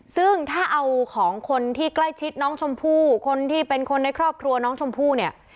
ซึ่งถ้าเอาของคนที่ใกล้ชิดน้องชมพู่คนที่เป็นคนในครอบครัวน้องชมพู่เนี่ย